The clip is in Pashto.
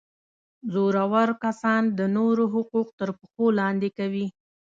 زورور کسان د نورو حقوق تر پښو لاندي کوي.